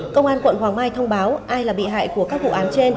công an quận hoàng mai thông báo ai là bị hại của các vụ án trên